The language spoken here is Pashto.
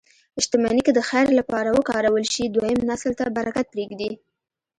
شتمني که د خیر لپاره وکارول شي، دویم نسل ته برکت پرېږدي.